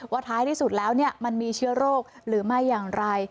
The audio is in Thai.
ท้ายที่สุดแล้วมันมีเชื้อโรคหรือไม่อย่างไร